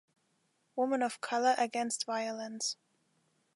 Women of Color Against Violence.